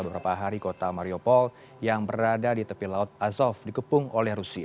beberapa hari kota mariupol yang berada di tepi laut azov dikepung oleh rusia